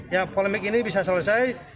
ya polemik ini bisa selesai